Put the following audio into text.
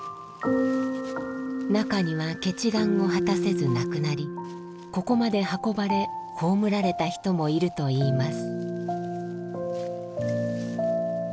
中には結願を果たせず亡くなりここまで運ばれ葬られた人もいるといいます。